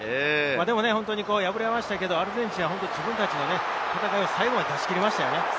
でも敗れましたけれど、アルゼンチンは自分たちの戦いを最後まで出し切りましたよね。